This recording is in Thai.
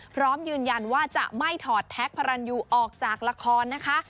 พร้อมยืนยันว่าจะไม่ถอดแท็กพระรันยูออกจากละครนะคะ